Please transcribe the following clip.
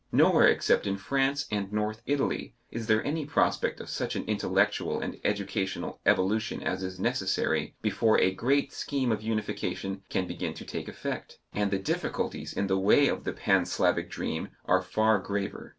Nowhere except in France and North Italy is there any prospect of such an intellectual and educational evolution as is necessary before a great scheme of unification can begin to take effect. And the difficulties in the way of the pan Slavic dream are far graver.